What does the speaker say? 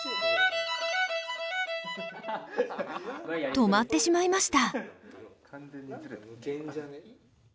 止まってしまいました。